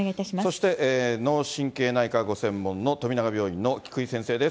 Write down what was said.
そして、脳神経内科ご専門の富永病院の菊井先生です。